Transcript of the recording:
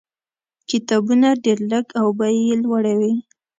کتابونه ډېر لږ او بیې یې لوړې وې.